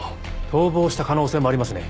逃亡した可能性もありますね。